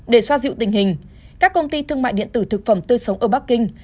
để xoa dịu tình hình các công ty thương mại điện tử thực phẩm tươi sống ở bắc kinh